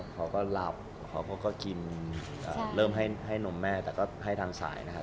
เขาก็หลับเขาก็กินเริ่มให้นมแม่แต่ก็ให้ทางสายนะครับ